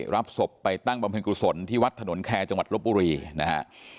รับศพไปตั้งบำเพ็ญกุศลที่วัดถนนแคร์จังหวัดลบบุรีนะฮะ